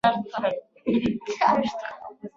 په روم کې بوخت کسان مریان وو.